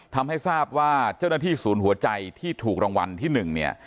ทำให้ทราบว่าเจ้าหน้าที่ศูนย์หัวใจที่ถูกรางวัลที่๑เนี่ย